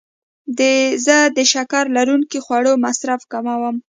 زه د شکر لرونکو خوړو مصرف کموم.